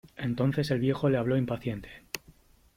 entonces el viejo le habló impaciente :